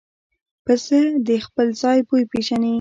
پسه د خپل ځای بوی پېژني.